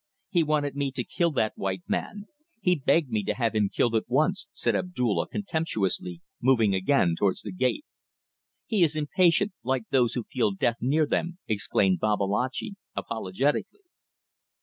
"He wanted me to kill that white man. He begged me to have him killed at once," said Abdulla, contemptuously, moving again towards the gate. "He is impatient, like those who feel death near them," exclaimed Babalatchi, apologetically.